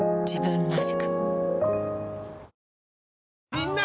みんな！